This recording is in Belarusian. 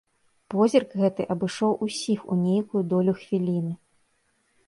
Позірк гэты абышоў усіх у нейкую долю хвіліны.